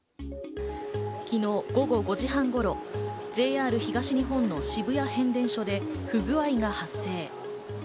昨日午後５時半頃、ＪＲ東日本の渋谷変電所で不具合が発生。